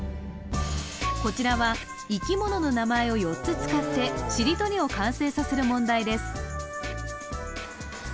こちらは生き物の名前を４つ使ってしりとりを完成させる問題です